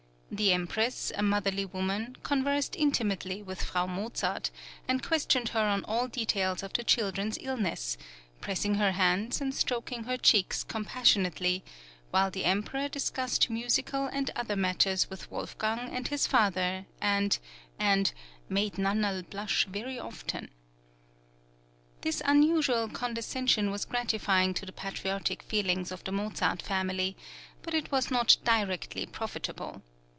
The Empress, a motherly woman, conversed intimately with Frau Mozart, and questioned her on all details of the children's illness, pressing her hands and stroking her cheeks compassionately, while the Emperor discussed musical and other matters with Wolfgang and his father, and "made Nannerl blush very often." This unusual condescension was gratifying to the patriotic feelings of the Mozart family, but it was not directly profitable.